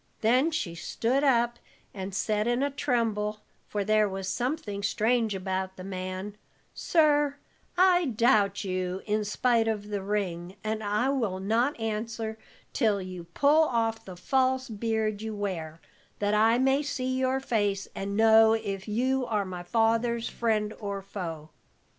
Then she stood up and said, in a tremble, for there was something strange about the man: 'Sir, I doubt you in spite of the ring, and I will not answer till you pull off the false beard you wear, that I may see your face and know if you are my father's friend or foe.'